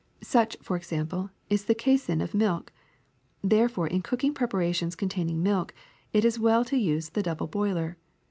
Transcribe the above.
Such, for example, is the casein of milk. Therefore in cooking preparations contain ing milk, it is well to use the double boiler.